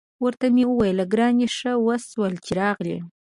ورته مې وویل: ګرانې، ښه وشول چې راغلې.